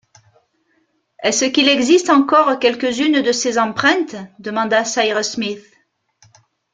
Est-ce qu’il existe encore quelques-unes de ces empreintes? demanda Cyrus Smith.